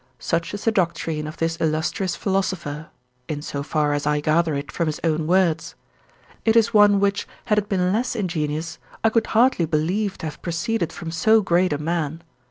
Such is the doctrine of this illustrious philosopher (in so far as I gather it from his own words); it is one which, had it been less ingenious, I could hardly believe to have proceeded from so great a man.